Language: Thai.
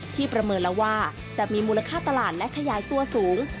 ประเมินแล้วว่าจะมีมูลค่าตลาดและขยายตัวสูง